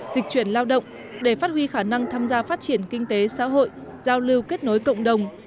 dịch chuyển lao động để phát huy khả năng tham gia phát triển kinh tế xã hội giao lưu kết nối cộng đồng